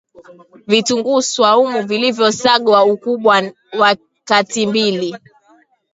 Vitunguu swaumu vilivyo sagwa Ukubwa wa katimbili